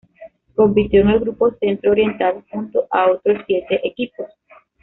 Compitió en el "Grupo Centro Oriental" junto a otros siete equipos.